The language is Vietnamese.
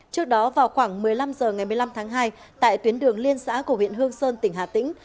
trước đó vào khoảng một mươi năm h ngày một mươi năm tháng hai tại tuyến đường liên xã của huyện hương sơn tỉnh hà tĩnh